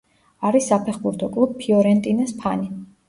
არის საფეხბურთო კლუბ „ფიორენტინას“ ფანი.